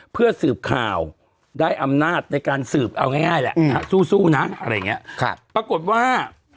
เพื่อสืบข่าวได้อำนาจในการสืบเอาง่ายแหละสู้นะอะไรอย่างเงี้ยปรากฏว่า